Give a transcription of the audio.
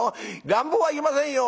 「乱暴はいけませんよ